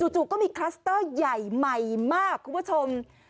จู่ก็มีคลัสเตอร์ใหญ่ใหม่มากคุณผู้ชม